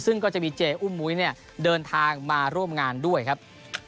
ซึ่งก็จะมีเจอุ้มมุ้ยเนี่ยเดินทางมาร่วมงานด้วยครับ